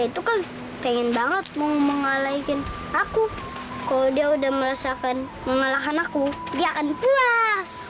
itu kan pengen banget mau mengalahikin aku kalau dia udah merasakan mengalah anakku dia akan puas